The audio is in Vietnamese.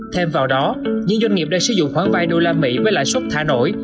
thêm vào đó những doanh nghiệp đang sử dụng khoản vay đô la mỹ với lãi suất thả nổi